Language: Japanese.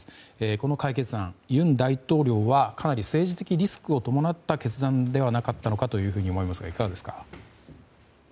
この解決案、尹大統領はかなり政治的リスクを伴った決断ではなかったのかと思いますが、いかがですか？